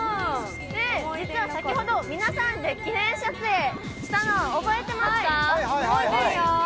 実は先ほど、皆さんで記念撮影したのを覚えてますか？